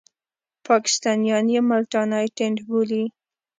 پاکستانیان یې ملتانی ټېنټ بولي.